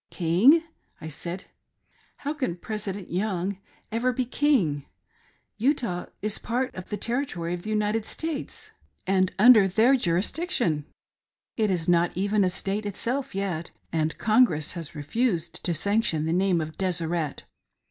'" "King?" I said, "How can President Young ever be 'king.'' Utah is part of the territory of the States, and 200 HOW BROTHER TENANT LOST HIS MONEY. linder their jurisdiction ; it is not even a State itself yet, and Congress has refused to sanction the name of Deseret.